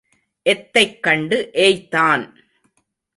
எத்தைக் கண்டு ஏய்த்தான்?